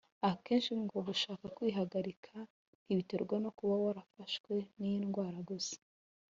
Akenshi ngo gushaka kwihagarika ntibiterwa no kuba warafashwe n’iyi ndwara gusa